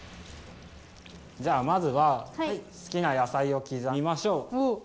じゃあまずはすきな野菜をきざみましょう。